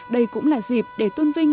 đây cũng là dịp để tôn vinh